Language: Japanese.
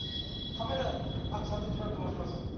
サンドウィッチマンと申します。